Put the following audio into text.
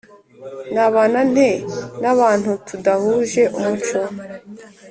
Nabana nte n’abantu tudahuje umuco?